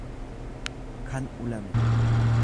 kan ulame.